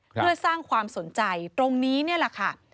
เพื่อสร้างความสนใจตรงนี้นี่แหละค่ะ